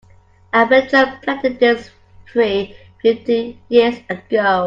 A villager planted this tree fifty years ago.